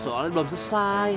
soalnya belum selesai